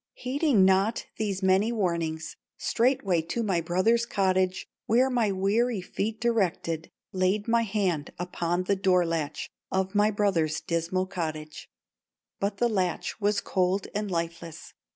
"Heeding not these many warnings, Straightway to my brother's cottage Were my weary feet directed, Laid my hand upon the door latch Of my brother's dismal cottage, But the latch was cold and lifeless.